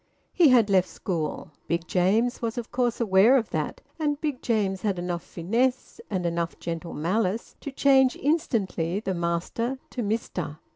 He had left school. Big James was, of course, aware of that, and Big James had enough finesse and enough gentle malice to change instantly the `master' to `mister.'